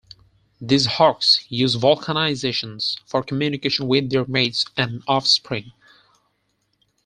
These hawks use vocalizations for communication with their mates and offspring.